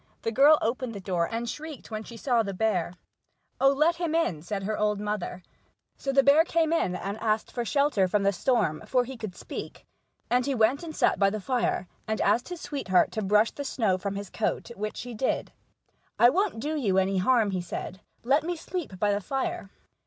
The girl opened the door, and shrieked when she saw the bear. "Oh, let him in," said her old mother. 72 The Fishermen of Shetland. So the bear came in and asked for shelter from the storm, for he could speak. And he went and sat by the fire, and asked his sweetheart to brush the snow from his coat, which she did. "I wont do you any harm," he said; "let me sleep by the fire."